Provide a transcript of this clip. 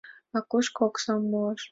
А кушто оксам муаш?